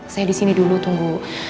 saya disini dulu tunggu